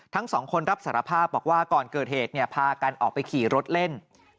ทั้งสองคนรับสารภาพบอกว่าก่อนเกิดเหตุพากันออกไปขี่รถเล่น